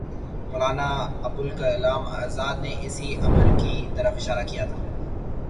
مولانا ابوالکلام آزاد نے اسی امر کی طرف اشارہ کیا تھا۔